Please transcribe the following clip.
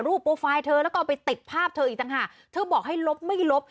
โปรไฟล์เธอแล้วก็ไปติดภาพเธออีกต่างหากเธอบอกให้ลบไม่ลบ